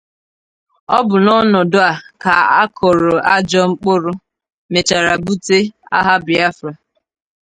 Ọ bụ n’ọnọdụ a ka akụrụ ajọ mkpụrụ mechara bute agha Biafra